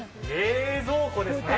冷蔵庫ですね。